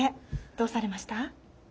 どうされました？